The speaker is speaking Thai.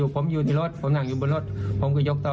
ผมอยู่ในรถผมนั่งอยู่บนรถผมก็ยกต่อ